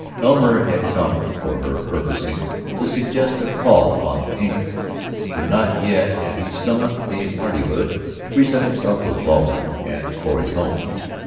Elmer had come for her purposing to suggest a call upon the Engles. For not yet had he summoned the hardihood to present himself alone at Florrie's home.